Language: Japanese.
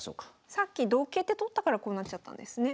さっき同桂って取ったからこうなっちゃったんですね。